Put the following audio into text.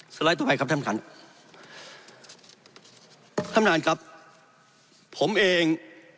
ไลด์ต่อไปครับท่านท่านครับผมเอง